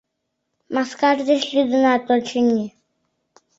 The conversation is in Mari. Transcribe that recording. — Маскаж деч лӱдынат, очыни?